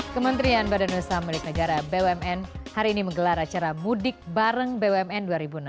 kementerian badan usaha milik negara bumn hari ini menggelar acara mudik bareng bumn dua ribu enam belas